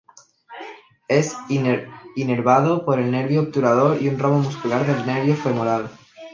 Es inervado por el nervio obturador y un ramo muscular del nervio femoral.